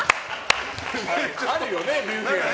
あるよね、ビュッフェは。